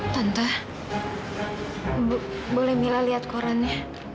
tante boleh mila lihat korannya